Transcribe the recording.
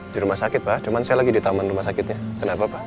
di rumah sakit pak cuma saya lagi di taman rumah sakitnya kenapa pak